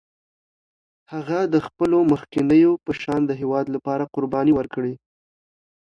هغه د خپلو مخکینو په شان د هېواد لپاره قربانۍ وکړې.